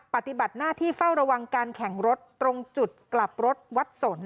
ปฏิบัติหน้าที่เฝ้าระวังการแข่งรถตรงจุดกลับรถวัดสน